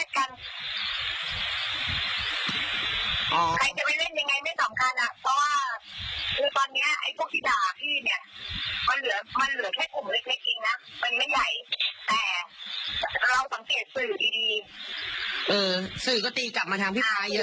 อ๋อแต่ว่าเขาบอกว่าให้พี่จะถอนเขาว่างั้นเถอะ